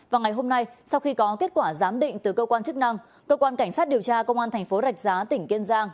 vào ngày hôm nay sau khi có kết quả giám định từ cơ quan chức năng cơ quan cảnh sát điều tra công an thành phố rạch giá tỉnh kiên giang